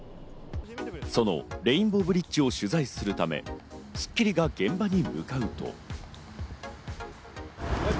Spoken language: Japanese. そのレインボーブリッジを取材するため、『スッキリ』が現場に向かうと。